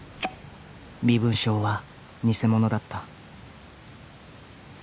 「身分証は偽物だった」